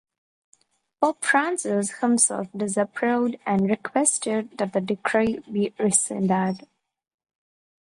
Pope Francis himself disapproved and requested that the decree be rescinded.